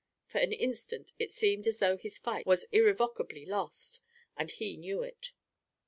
For an instant it seemed as though his fight was irrevocably lost, and he knew it.